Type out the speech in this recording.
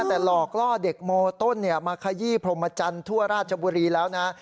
แต่หลอกล่อเด็กโมต้นมาขยี้พรมจันทร์ทั่วราชบุรีแล้วนะ